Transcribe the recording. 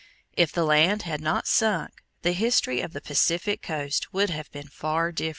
If the land had not sunk the history of the Pacific coast would have been far different.